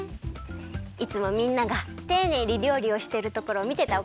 いつもみんながていねいにりょうりをしてるところをみてたおかげかな。